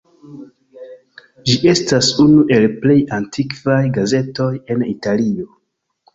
Ĝi estas unu el plej antikvaj gazetoj en Italio.